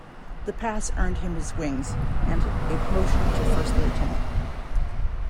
The pass earned him his wings and a promotion to First Lieutenant.